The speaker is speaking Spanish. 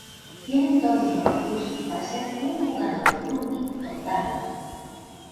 Tiene todos los recursos para ser un jugador de rugby total.